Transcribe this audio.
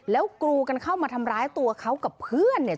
แล้วกรูกันเข้ามาทำร้ายตัวเขากับเพื่อนเนี่ย